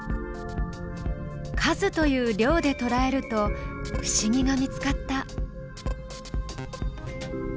「数」という「量」でとらえると不思議が見つかった。